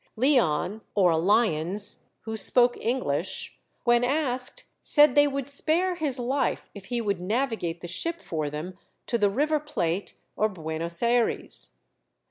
Leon, or Lyons, who spoke English, when asked said they would spare his life if he would navigate the ship for them to the River Plate or Buenos Ayres.